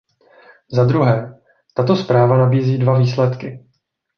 Za druhé, tato zpráva nabízí dva výsledky.